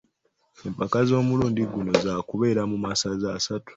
Empaka ez’omulundi guno zaakubeera mu masaza asatu.